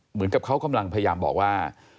เหมือนกับเขากำลังพยายามบอกว่า